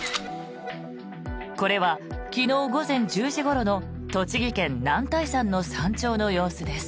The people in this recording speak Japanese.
これは、昨日午前１０時ごろの栃木県・男体山の山頂の様子です。